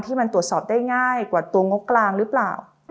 มันตรวจสอบได้ง่ายกว่าตัวงบกลางหรือเปล่า